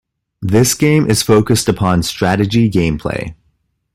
This game is focused upon strategy game play.